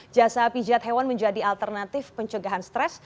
jasa pijat hewan menjadi alternatif pencegahan stres